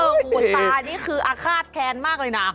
โอ้โหตานี่คืออาฆาตแค้นมากเลยนะ